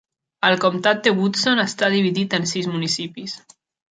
El comtat de Woodson està dividit en sis municipis.